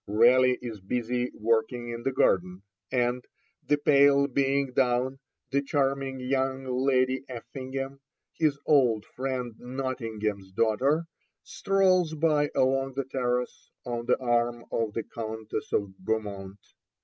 Raleigh is busy working in the garden, and, the pale being down, the charming young Lady Effingham, his old friend Nottingham's daughter, strolls by along the terrace on the arm of the Countess of Beaumont.